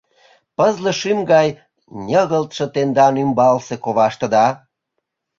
— Пызле шӱм гай ньыгылтше тендан ӱмбалсе коваштыда!